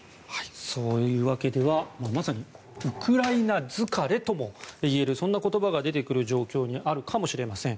そういうわけでまさにウクライナ疲れともいえるそんな言葉が出てくる状況にあるかもしれません。